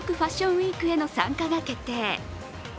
ウィークへの参加が決定。